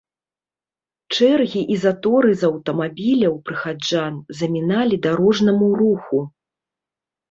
Чэргі і заторы з аўтамабіляў прыхаджан заміналі дарожнаму руху.